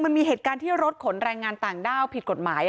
มันมีเหตุการณ์ที่รถขนแรงงานต่างด้าวผิดกฎหมาย